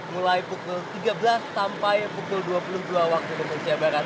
mulai pukul tiga belas sampai pukul dua puluh dua waktu indonesia barat